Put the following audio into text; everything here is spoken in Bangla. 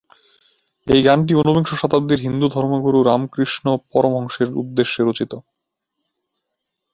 এই গানটি ঊনবিংশ শতাব্দীর হিন্দু ধর্মগুরু রামকৃষ্ণ পরমহংসের উদ্দেশ্যে রচিত।